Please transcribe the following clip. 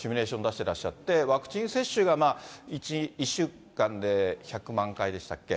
てらっしゃって、ワクチン接種が１週間で１００万回でしたっけ？